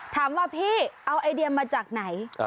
ถามว่าพี่เอาไอเดียมาจากไหน